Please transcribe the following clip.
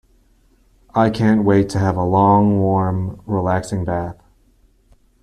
I can't wait to have a long warm, relaxing bath.